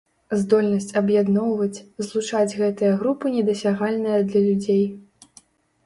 Здольнасць аб'ядноўваць, злучаць гэтыя групы недасягальная для людзей.